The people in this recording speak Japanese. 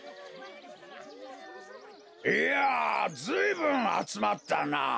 いやずいぶんあつまったなあ。